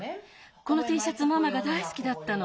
このティーシャツママが大すきだったの。